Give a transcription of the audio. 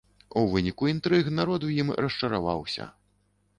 У выніку інтрыг народ у ім расчараваўся.